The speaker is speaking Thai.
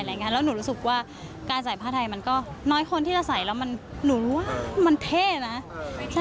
แล้วหนูรู้สึกว่าการใส่ผ้าไทยมันก็น้อยคนที่จะใส่แล้วหนูรู้ว่ามันเท่นะ